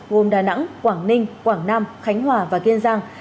gồm đà nẵng quảng ninh quảng nam khánh hòa và kiên giang